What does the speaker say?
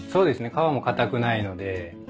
皮も硬くないので。